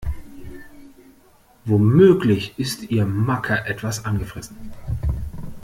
Womöglich ist ihr Macker etwas angefressen.